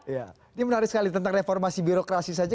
ya ini menarik sekali tentang reformasi birokrasi saja